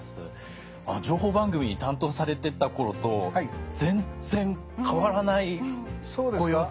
情報番組担当されてた頃と全然変わらないご様子。